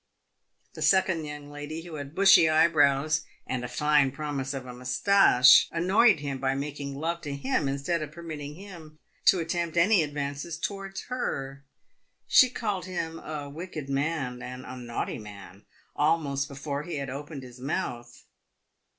The second young lady, who had bushy eyebrows, and a fine promise of a moustache, annoyed him by making love to him instead of permitting him to attempt any ad vances towards her. She called him a wicked man, and a naughty man, almost before he had opened his mouth.